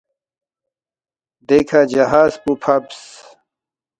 دیکھہ جہاز پو فبس